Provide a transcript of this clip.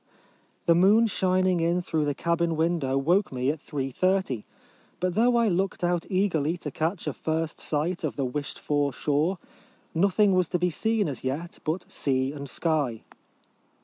The moon shining in through the cabin window woke me at 3.30; but though I looked out eagerly to catch a first sight of the wished for shore, nothing was to be seen as yet but sea and sky.